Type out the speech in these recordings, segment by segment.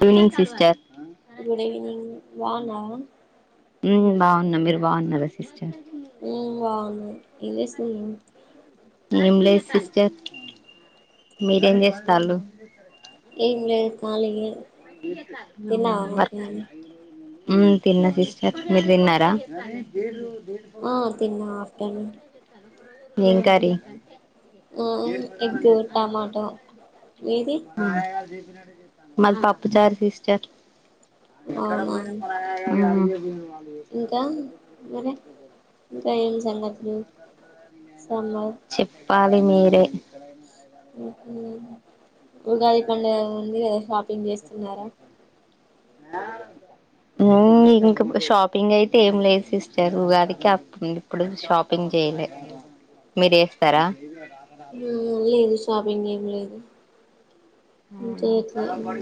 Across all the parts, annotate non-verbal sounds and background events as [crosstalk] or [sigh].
Good evening sister good evening బావున్నావా బాగున్న మీరు బాగున్నారా సిస్టర్ ఉ బావున్నాను ఏం చేస్తున్నావ్ ఏం లేదు సిస్టర్ మీరేం చేస్తాళ్ళు ఏమి లేదు కాలి యే అవునా వర్క్ ఉ తిన్న సిస్టర్ మీరు తిన్నారా ఆ తిన్నా ఆఫ్టర్నూన్ [unintelligible] ఏం కర్రీ ఆ ఎగ్గు టమాట మీది మది పప్పు చారు సిస్టర్ అవునా హ్ ఇంకా మరి ఇంకా ఏం సంగతులు సమ్మర్ చెప్పాలి లీ మీరే కక్కడైయ ఉగాది పండుగ ఉంది. గాదా షాపింగ్ చేస్తున్నారా ఇంక షాపింగ్ అయితే ఏమి లేదు సిస్టారు ఉగాదికి అప్పుడు ఉండు ఇప్పుడు షాపింగ్ చేయలే మీరు చే నువ్వు ఏం జు షాపింగ్ ఏం లేదు చేయట్లే ఆహా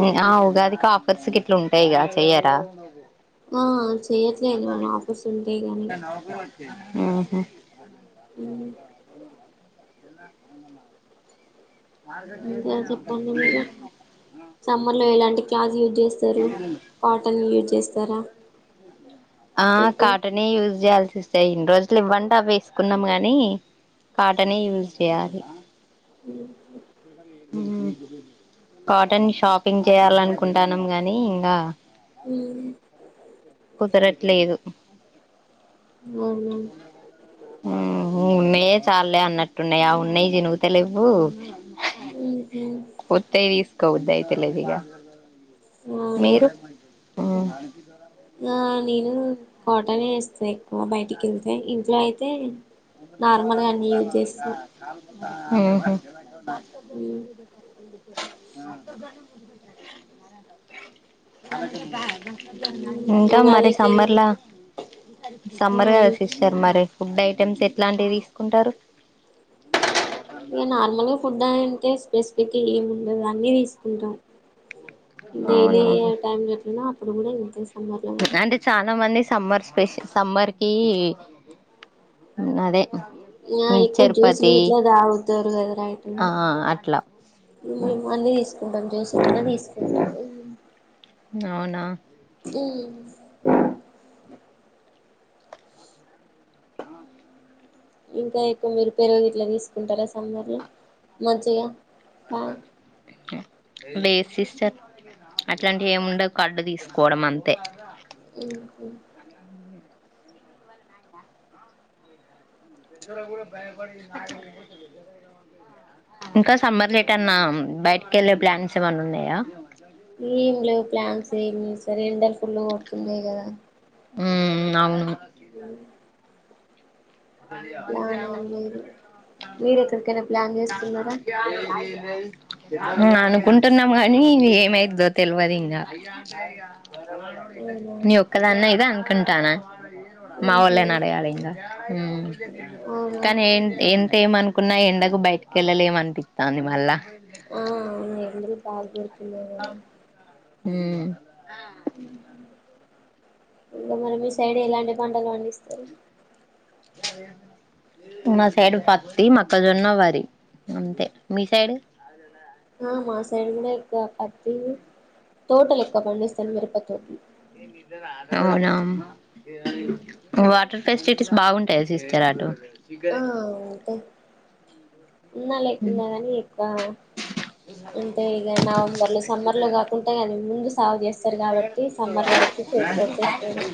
హ్ ఆ ఉగాదికి ఆఫర్స్ గిట్లా ఉంటాయి గా చెయ్యారా హ్ చేయ్యట్లే ఏమన్న ఆఫర్స్ ఉంటాయి. గానీ హ్ హ్ అ ఉమ్, అ అ ఎలా అనంద ఇంకా చెప్పండి మీరు సమ్మర్ లో ఎలాంటి క్లాత్ యూజ్ చేస్తారు కాటన్ యూజ్ చేస్తారా ఆ ఎక్కువ కాటనే యూస్ జెయాలి చూస్తే ఇన్ని రోజులు ఏవ్వంటే ఆవ్వీ ఏసుకున్నాం గాని కాటనే యూజ్ జెయాలి. ఉహు హ్ కాటన్ షాపింగ్ చేయాలనుకుంటాన్నాం గాని ఇగా హ్ కుదరట్లేదు. అవునా హ్ ఉన్నాయే చాల్లె అన్నట్టున్నాయి. ఆ ఉన్నాయి చినుగుత లేవ్వు ఉహు కోబుద్ధి అయితలేదు ఇగ అవునా హ్ ఆ నేను కాటనే ఏస్థ ఎక్కు క్కువ బయటికి ఏళ్తే ఇంట్లో అయితే తే ముందు నడవరనే ఇరకా కా ఉహు ఉమ్. [unintelligible] ఉమ్, ఇంకా మరి ఉగాదికి సమ్మర్లా ఆ సమ్మర్ కదా ఇక సిస్టర్ మరి గుడ్ నై ఐటమ్స్ ఎట్లాంటివి తీసుకుంటారు. ఏ నార్మలే ఫుడ్ అంటే స్పెసిఫిక్ గా ఏమి ఉండదు. అన్ని తీసుకుంటాం. డైలీ అయ్యే అవునవును టైమ్ లో ఎట్లనో అప్పుడు కూడా ఇంతే సమ్మర్ లో కూడా అంటే చాలా మంది సమ్మర్ స్పెషల్ సమ్మర్ కి అదే ఆ ఎక్కువ జ్యూస్లు తిరుపతి ఇట్లా తాగుతారు కదర ఐటమ్ ఆ అట్లా ఉ అన్నీ తీసుకుంటాం జూసి కూడా తీసుకుంటాము అవునా ఈ ఇంకా ఎక్కువ మీరు పెరుగు గిట్లా తీసుకుంటారా సమ్మర్ లో మజ్జిగ పాల్ బ మే సిస్టర్ అట్లాంటివి ఏముండదు కడ్డు తీసుకోవడం అంతే ఉహు ఇంకా సమ్మర్ లేటన్నా బయటకి వెళ్ళే ప్లాన్స్ ఏమన్నా ఉన్నాయా ఎం లేవు ప్లాన్స్ ఏం సరేండర్ కుళ్ళు కొడుతున్నాయి కదా ఉ ఉ ల్లాల ప్లాన్ ఏం లేదు మీరు ఎక్కడికైనా ప్లాన్ చేస్తున్నారా మ అ అనుకుంటున్నాం కానీ ఏమైద్దో తెలివదు ఇంకా అవునా నీ ఒక్కదని మీదే అన్ కంటానా మా ఉహు వాళ్ళైన అడాలిగా ఉ అవునా కానీ ఏంటి ఎ ఏమనుకున్నా ఎండకు బయటికి వెళ్ళలేమనిపిస్తుంది మళ్ళా ఆ అవును లేండి ఠాగూర్ [inaudible] ఉ ఉ ఇంకా మరి మీ సైడు ఎలాంటి పంటలు పండిస్తారు మా సైడ్ పత్తి మొక్కజొన్న వరి అంతే మీ సైడ్ ఆ మా సైడు గూడ ఇక్క పత్తి తోటలు ఎక్కవ పండిస్తారు మిరప తోటి అవునామ్ వాటర్ ఫెసిలిటీస్ బాగుంటాయ సిస్టర్ అటు ఆ అంటే ఉన్న లేకున్నా గాని ఇక నవంబర్ లో సమ్మర్ లో కాకుండా కానీ ముందు సాగు చేస్తారు కాబట్టి సమ్మర్ వరకు చేతికి వచ్చేస్తది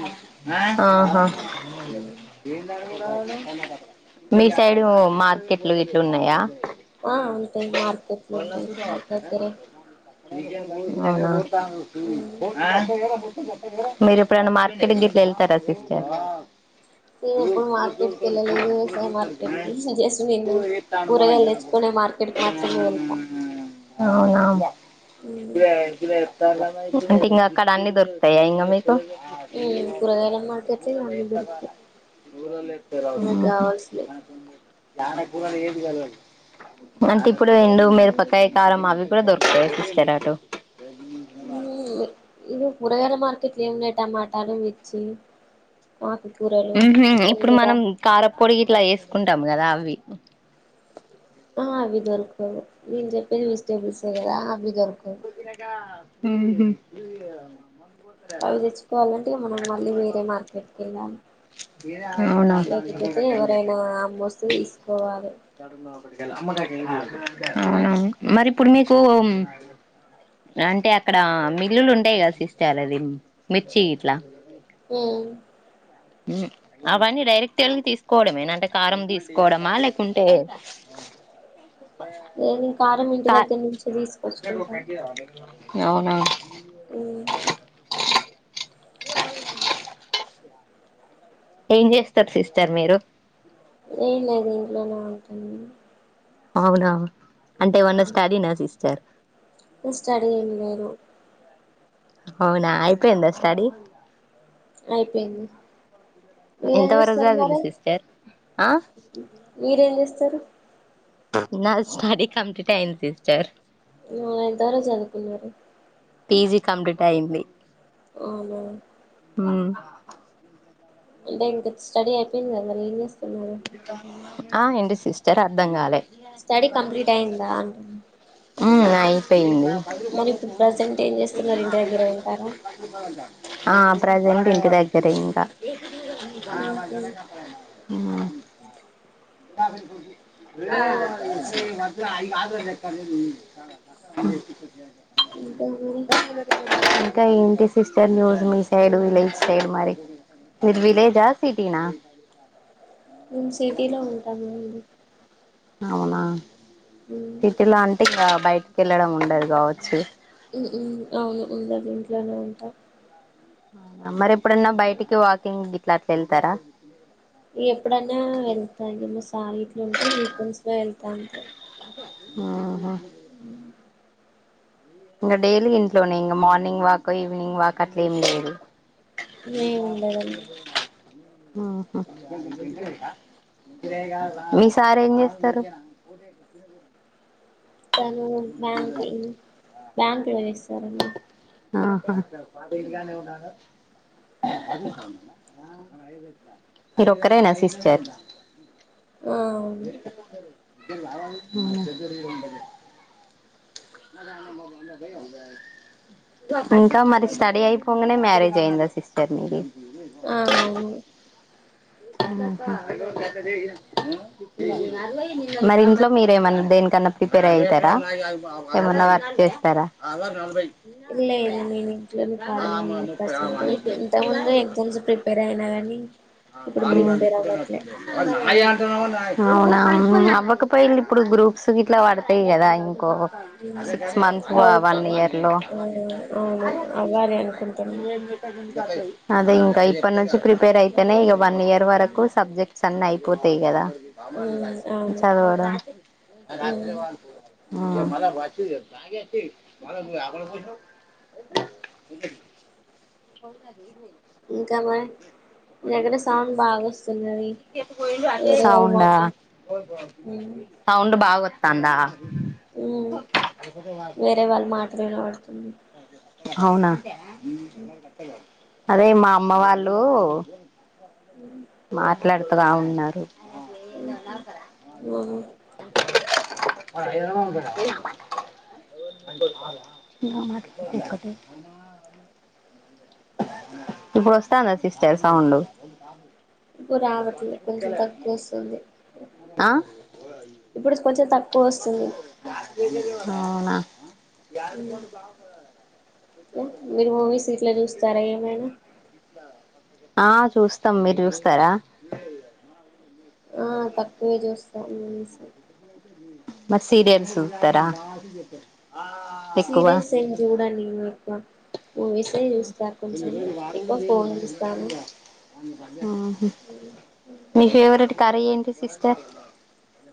ఆహ మీ సైడు మార్కెట్లు ఇట్లు ఉన్నాయా ఆ ఉంటాయి మార్కెట్లు వళ్ణ ఉంటాయి సధా మాకు అత దగ్గరే అవున మీరు ఎప్పుడైన్న మార్కెట్ గిట్లా వెళ్తారా సిస్టర్ నేను ఎప్పుడు మార్కెట్కి వెళ్ళలేదు వ్యవసాయ మార్కెట్ కి చేసి జస్ట్ నేను కూరగాయలు తెచ్చుకునే మార్కెట్ కి మాత్రమే వెళ్తా అవునా ఇంగ అక్కడ అన్ని దొరుకుతాయా ఇంగా మీకు ఊ కూరగాయల మార్కెట్లో ఇగ అన్నీ దొరుకుతాయి మనకు కావలసినయి హు మన ఏజ్ కాదు అంటే ఇప్పుడు ఎండు మిరప మీరపకాయి కారం అవి కూడా దొరుకుతాయా సిస్టర్ అటు ఇగ కూరగాయల మార్కెట్లు ఏమున్నాయి టమాటాలు మిర్చి మాకు ఊహు ఇప్పుడు మనం కారంపొడి గీట్లా చేసు కొంటాం కదా అవి ఆ అవి దొరకదు నేను చెప్పేది వెజిటబుల్స్ ఏ కదా అవి దొర ఉహు అవి ఇడ్లీ తెచ్చుకోవాలంటే మనం మళ్ళీ వేరే తినలేదా మార్కెట్కి వెళ్ళాలి మామ లేకపోతే ఎవరైనా అవునా అమ్మొస్తే తీసుకోవాలి అవునవును మరిప్పుడు మీకు అంటే అక్కడ మిల్లులు ఉంటాయి కదా సిస్టర్ అది మిర్చి ఇట్లా ఉమ్ అవన్నీ డైరెక్ట్ గా వెళ్ళి తీసుకోవడమేనా అంటే కారం తీసుకోవడమా లేకుంటే ఏంది కా మేము ఇంటి దగ్గర నుంచే తీసు అక్కకు రెండు అంట ఇయ్యరాదే అవునా ఊమ్ ఏంచేస్తారు సిస్టర్ మీరు ఏం లేదే అవునా అంటి అవునా అంటే ఏవన్నా స్టడీ నా సిస్టర్ స్టడీ ఏం లేదు అవునా అయిపోయిందా స్టడీ అయిపోయింది మీరేం ఎంత వరకు చేస్తారు చదివిల్లు మరి సిస్టర్ ఆ మీరేం చేస్తారూ నా స్టడీ కంప్లీట్ అయింది సిస్టర్ న ఎంతవరకు చదువుకున్నారు పీ జీ కంప్లీట్ అయ్యింది అవునా ఆ అంటే ఇంక స్టడి అయిపోయింది కదా మరి ఏం చేస్ [unintelligible] ఇత ఆ ఏంటి సిస్టర్ అర్థం కాలే స్టడీ కంప్లీట్ అయిందా అంటున్నా [unintelligible] ఐ పోయింది మరి ఇప్పుడు ప్రజెంట్ ఏం చేస్తున్నారు ఇంటి దగ్గరే ఉంటారా ప్రజెంట్ ఇంటి దగ్గరే ఇంకా ఉహు బగానే కడ ఇంకా మరి ఇంకా ఏంటి సిస్టర్ న్యూస్ మీ సైడ్ విలేజ్ సైడ్ మరి మీది విలేజా సిటీనా నేను సిటీలో ఉంటాను మరి అవునా ఉ సిటీలో అంటే ఇకా బయటికి వెళ్ళడం ఉండదు కావచ్చు అవును ఉండదు ఇంట్లోనే ఉంటా ఓ మరి ఎప్పుడన్నా బయటికి వాకింగ్ గిట్లా అట్లా వెళ్తారా ఎప్పుడైన వెళ్తా మ సారి ఇట్లు ఉంటే వీకెండ్స్ లో వెళ్తా అంతే ఆహా ఉ ఇంకా డైలీ ఇంట్లోనే ఇంకా మార్నింగ్ వాక్ ఈవినింగ్ వాక్ అట్లే ఏం లేదు ఏ ఏం మా ఉండదండి మీ సార్ ఏం చేస్తారు తను బ్యాంక్ బ్యాంక్ లోన్ ఇస్తారండి ఆహా మీర ఒక్కరే సిస్టర్ ఆ అవును ఇంకా మరి స్టడీ అయిపోగానే మ్యారేజ్ అయిందా సిస్టర్ మీకు ఆ అవును మరి ఇంట్లో మీరేమన్నా దేనికన్నా ప్రిపేర్ అయితారా ఏమన్నా వర్క్ చేస్తారా లేదు నేను ఇంట్లోనే ఖాళీగా ఉన్నా పర్సెంట్ ఇంత ముందు ఎగ్జామ్స్ ప్రిపేర్ అయినా కాని అవునా నవ్వకపోయిల్ళ ఇప్పుడు గ్రూప్స్ గిట్లా పడతాయి కదా ఇంకో సిక్స్ మంత్స్ వన్ అవుతాయి ఇయర్ లో అవును అవును అవ్వాలి అనుకుంటున్నా అదే ఇంకా ఇప్ప నుంచి ప్రిపేర్ అయితేనే ఇక వన్ ఇయర్ వరకు సబ్జెక్ట్స్ అన్ని అయిపోతాయి కదా ఉమ్ అవును తద్వారా ఉమ్ ఆ ఇంకామ్మాయ్ సౌండ్ బాగా వస్తుందిది వేరే వాళ్ళు సౌండా మాటలు సౌండ్ బాగా వత్తంద ఉ వేరే వాళ్ళు మాటలు వినబడుతున్నాయి అవునా [inaudible] అదే మా అమ్మవాళ్ళు మాట్ లాడుతద ఉన్నారు ఉమ్, ఉమ్, అవును [unintelligible] [inaudible] ఇప్పుడు వస్తాందా సిస్టర్ సౌండ్ ఇప్పు రావట్లే కొంచెం తక్కువ వస్తుంది ఆ ఇప్పుడు కొంచెం తక్కు కోస్తుంది ఆ అవునా ఎర్డు కోడు కావ ఇంకా చెడున్నా మీరు మూవీస్ ఇట్లా చూస్తారా ఏమైనా [inaudible] ఆ చూస్తాం మీరు చూస్తారా ఆ తక్కువే చూస్తా అనిన్సే మరీ సీరియల్స్ సూతారా సీరియల్ ఏమ్ చూడను నేను ఎక్కువ మూవీసే చూస్తా కొంచెం ఎక్కువ ఫోన్ చూస్తాను మీ ఫేవరెట్ కర్రీ ఏంటి సిస్టర్ [inaudible]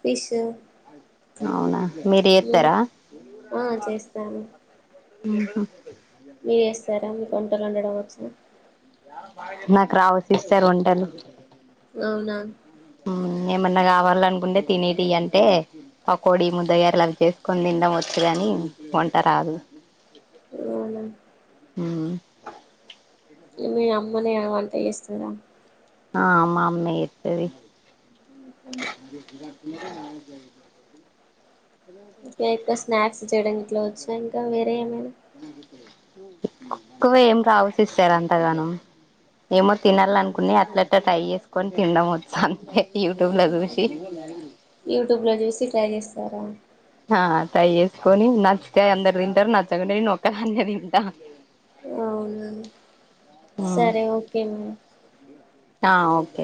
ఫిష్ అవునా మీరు చేస్తారా ఆ చేస్తాను ఉహుహ్ మీయస్ సారా మీకు వంటలు ఉండడం వచ్చా నాకు రావు సిస్టర్ వంటలు అవునా ఏమన్నా కావాల అనుకుంటే తినేటి అంటే పకోడి ముద్దగారలావి చేసుకొని తిండం వచ్చ కాని వంట రాదు అవును అ మీరు అమ్మనే వంట చేస్తుారా ఆ అమ్మ అమ్మే ఎయిత్తది గురా రా ఇంకా స్నాక్స్ చేయడం ఇట్లా వచ్చా ఇంకా వేరే ఏమైనా కో ఏం కావాల్సి ఇస్తారు అంతగానం ఏమో తినాల అనుకుని అట్లట్లా ట్రై చేసుకొని తినండ వచ్చా అంతే ఇ తుమ్ ల రుషి యూట్యూబ్ ల చూ సి టై చేస్తారా ఆ తై చేేసుకొని నచ్చితే అందరు తింటారు నచ్చకుండాొక్కదన్న తింటా అవునా సరే ఓకే ఆ ఓకే